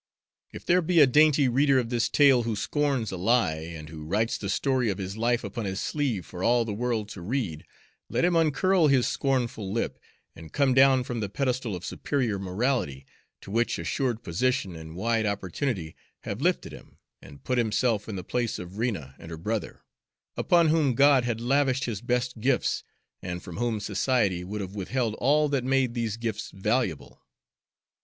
If there be a dainty reader of this tale who scorns a lie, and who writes the story of his life upon his sleeve for all the world to read, let him uncurl his scornful lip and come down from the pedestal of superior morality, to which assured position and wide opportunity have lifted him, and put himself in the place of Rena and her brother, upon whom God had lavished his best gifts, and from whom society would have withheld all that made these gifts valuable.